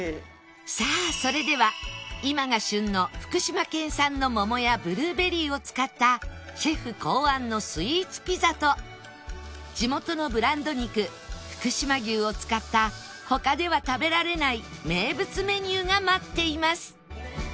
さあそれでは今が旬の福島県産の桃やブルーベリーを使ったシェフ考案のスイーツピザと地元のブランド肉福島牛を使った他では食べられない名物メニューが待っています